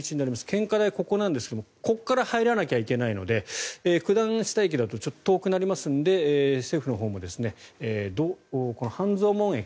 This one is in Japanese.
献花台はここなんですがここから入らないといけないので九段下駅だとちょっと遠くなりますので政府のほうも半蔵門駅